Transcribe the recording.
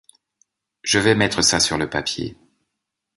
Je vas mettre ça sur le papier.